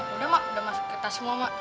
udah mak udah masuk ke tas semua mak